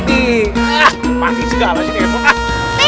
mati segala sih